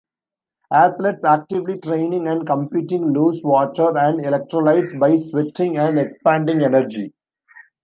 Athletes actively training and competing lose water and electrolytes by sweating, and expending energy.